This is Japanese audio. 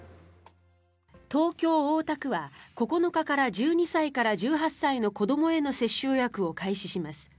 東京・大田区は９日から１２歳から１８歳への子どもへの接種予約を開始します。